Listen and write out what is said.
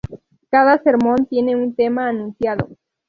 Cada sermón tiene un tema anunciado.